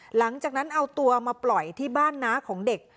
หลังจากนั้นเอาตัวมาปล่อยที่บ้านน้าของเด็ก